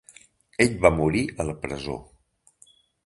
Ell va morir a la presó.